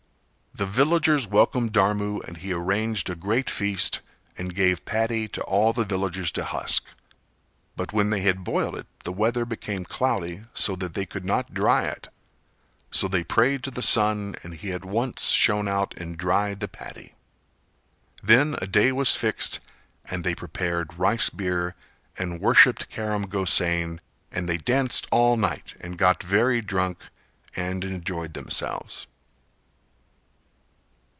The villagers welcomed Dharmu and he arranged a great feast and gave paddy to all the villagers to husk; but when they had boiled it the weather became cloudy so that they could not dry it, so they prayed to the sun and he at once shone out and dried the paddy. Then a day was fixed and they prepared rice beer, and worshipped Karam Gosain and they danced all night and got very drunk and enjoyed themselves.